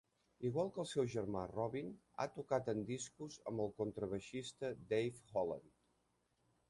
Igual que el seu germà Robin, ha tocat en discos amb el contrabaixista Dave Holland.